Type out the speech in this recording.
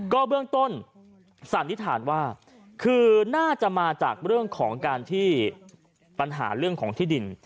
ก็เบื้องต้นสันนิษฐานว่าคือน่าจะมาจากเรื่องของการที่ปัญหาเรื่องของที่ดิน